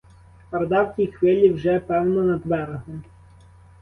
Орда в тій хвилі вже, певно, над берегом.